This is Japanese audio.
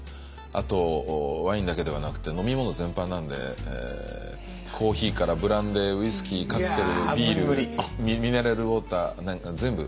あとワインだけではなくて飲み物全般なんでコーヒーからブランデーウイスキーカクテルビールミネラルウォーター全部。